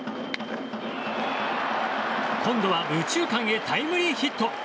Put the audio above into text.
今度は右中間へタイムリーヒット。